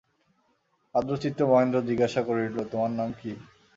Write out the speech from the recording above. আর্দ্রচিত্ত মহেন্দ্র জিজ্ঞাসা করিল, তোমার নাম কী।